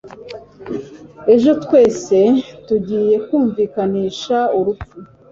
ejo, twese tugiye kumvikanisha urupfu